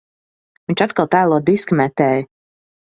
Viņš atkal tēlo diska metēju.